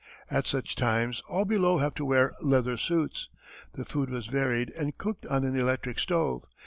At such times all below have to wear leather suits. The food was varied and cooked on an electric stove.